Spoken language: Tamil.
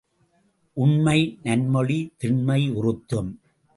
உண்மை நன்மொழி திண்மை உறுத்தும்.